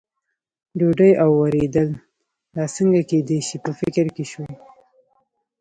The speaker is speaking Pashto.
ډوډۍ او ورېدل، دا څنګه کېدای شي، په فکر کې شو.